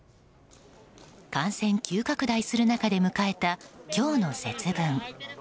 感染急拡大する中で迎えた今日の節分。